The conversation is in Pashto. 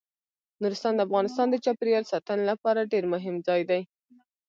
نورستان د افغانستان د چاپیریال ساتنې لپاره ډیر مهم ځای دی.